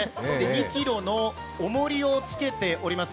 ２ｋｇのおもりをつけています。